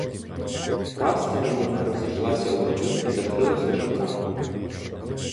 Враз та рідина розійшлась у воді і закрила хижака.